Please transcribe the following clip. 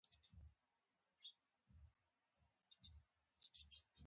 پښتو ادب باید د نړۍ له پرمختګونو سره ګام پر ګام لاړ شي